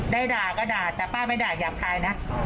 ได้ด่าก็ด่าแต่ป้าไม่ด่าหยาบคายนะ